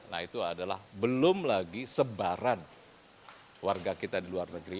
nah itu adalah belum lagi sebaran warga kita di luar negeri